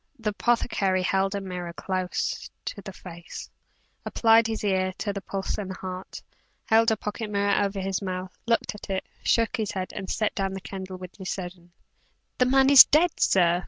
The apothecary held a mirror close to the face; applied his ear to the pulse and heart; held a pocket mirror over his mouth, looked at it; shook his head; and set down the candle with decision. "The man is dead, sir!"